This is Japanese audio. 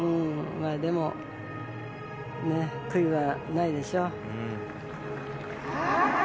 でも悔いはないでしょう。